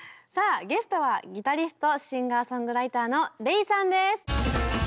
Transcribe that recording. さあゲストはギタリスト・シンガーソングライターのＲｅｉさんです。